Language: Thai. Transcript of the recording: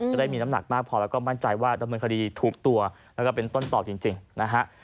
จะได้มีน้ำหนักมากพอแล้วก็มั่นใจว่าดำเนินคดีถูกตัวแล้วก็เป็นต้นตอบจริงนะฮะ